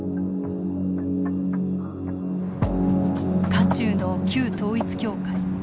渦中の旧統一教会。